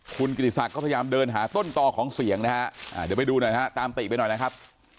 คุณกิติศักดิ์ก็พยายามเดินหาต้นต่อของเสียงนะฮะเดี๋ยวไปดูหน่อยนะฮะตามติไปหน่อยนะครับ